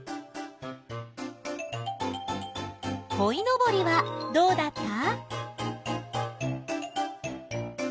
こいのぼりはどうだった？